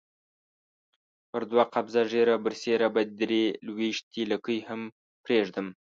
پر دوه قبضه ږیره برسېره به درې لويشتې لکۍ هم پرېږدم.